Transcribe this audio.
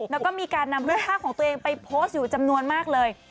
แล้วก็มีการนำรูปภาพของตัวเองไปโพสต์อยู่จำนวนมากเลย